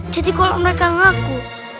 jadi kalau mereka ngaku